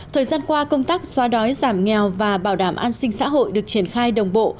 thời gian qua công tác xóa đói giảm nghèo và bảo đảm an sinh xã hội được triển khai đồng bộ